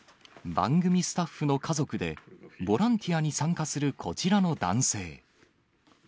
番組スタッフの家族で、ボランティアに参加する、こちらの男性。